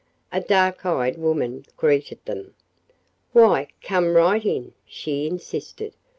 A dark eyed woman greeted them. "Why, come right in," she insisted.